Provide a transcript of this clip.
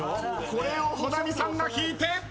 これを保奈美さんが引いて。